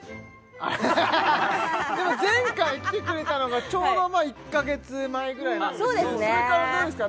でも前回来てくれたのがちょうど１か月前ぐらいのそれからどうですか？